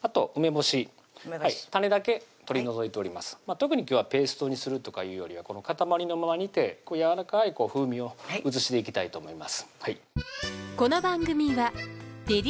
特に今日はペーストにするとかいうよりはこの塊のまま煮てやわらかい風味を移していきたいと思います